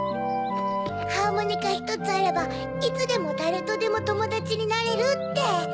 ハーモニカひとつあればいつでもだれとでもともだちになれるって。